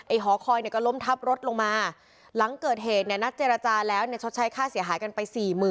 ไอ้หอคอยก็ล้มทับรถลงมาหลังเกิดเหตุนัดเจรจาแล้วใช้ค่าเสียหายกันไป๔๐๐๐๐